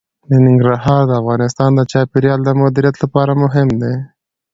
ننګرهار د افغانستان د چاپیریال د مدیریت لپاره مهم دي.